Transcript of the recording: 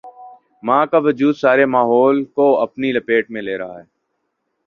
ماں کا وجودسارے ماحول کو اپنی لپیٹ میں لے رہا ہے۔